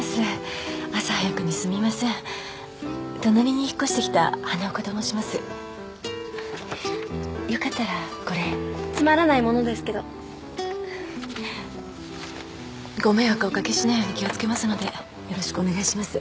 隣に引っ越してきた花岡と申しますよかったらこれつまらない物ですけどご迷惑をお掛けしないように気をつけますのでよろしくお願いします